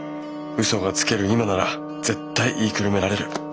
嘘がつける今なら絶対言いくるめられる。